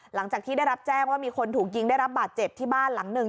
หลังจากที่ได้รับแจ้งว่ามีคนถูกยิงได้รับบาดเจ็บที่บ้านหลังหนึ่ง